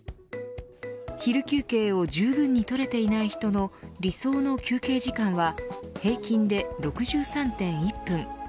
昼休憩をじゅうぶんに取れていない人の理想の休憩時間は平均で６３．１分。